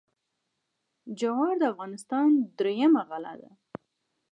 جوار د افغانستان درېیمه غله ده.